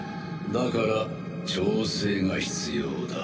だから調整が必要だ。